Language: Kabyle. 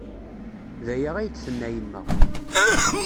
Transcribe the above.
D aya ay d-tenna yemma.